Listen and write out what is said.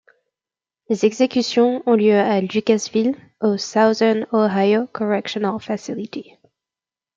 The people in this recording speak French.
Les exécutions ont lieu à Lucasville au Southern Ohio Correctional Facility.